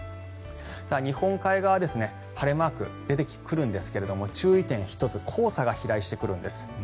日本海側は晴れマークが出てくるんですが注意点が１つ黄沙が飛来してくるんです。